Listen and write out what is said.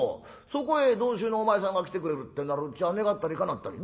そこへ同宗のお前さんが来てくれるってんならうちは願ったりかなったり。